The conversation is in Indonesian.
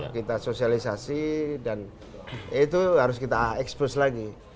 kita sosialisasi dan itu harus kita expose lagi